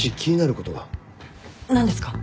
何ですか？